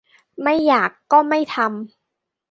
ไม่อยากก็ไม่ทำ